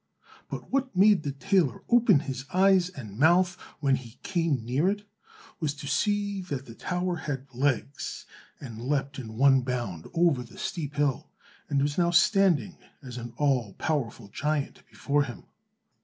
But what made the tailor open his eyes and mouth when he came near it, was to see that the tower had legs, and leapt in one bound over the steep hill, and was now standing as an all powerful giant before him.